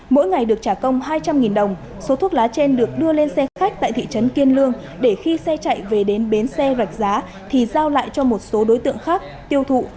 mỗi ngày được trả công hai trăm linh đồng số thuốc lá trên được đưa lên xe khách tại thị trấn kiên lương để khi xe chạy về đến bến xe rạch giá thì giao lại cho một số đối tượng khác tiêu thụ